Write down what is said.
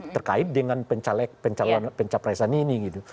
terkait dengan pencapresan ini gitu